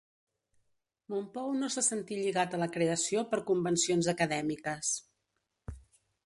Mompou no se sentí lligat a la creació per convencions acadèmiques.